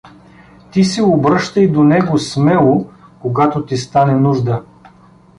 Ти се обръщай до него смело, когато ти стане нужда.